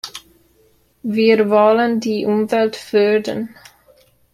Wir wollen die Umwelt fördern.